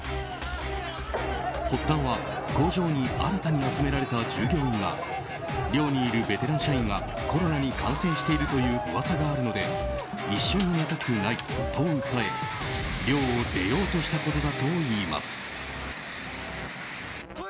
発端は工場に新たに集められた従業員が寮にいるベテラン社員がコロナに感染しているという噂があるので一緒に寝たくないと訴え寮を出ようとしたことだといいます。